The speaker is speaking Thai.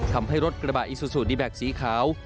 ทำให้รถกระบะอิซูซูดีแบ็คสีขาว